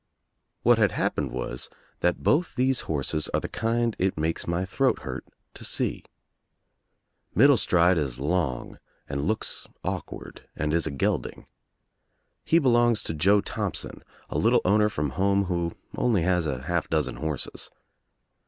What had happened was that both these horses arc the kind it makes my throat hurt to sec. Middlestride is long and looks awkward and is a gelding. He be longs to Joe Thompson, a little owner from home who only has a half dozen horses.